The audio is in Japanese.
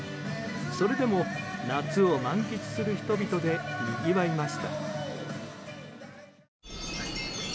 それでも、夏を満喫する人々でにぎわいました。